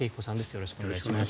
よろしくお願いします。